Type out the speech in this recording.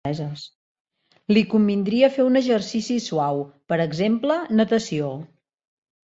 Li convindria fer un exercici suau, per exemple natació.